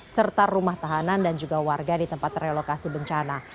serta rumah tahanan dan juga warga di tempat relokasi bencana